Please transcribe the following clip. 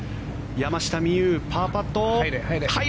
山下美夢有、パーパット。